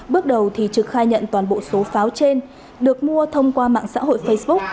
bước đầu thì trực khai nhận toàn bộ số pháo trên được mua thông qua mạng xã hội facebook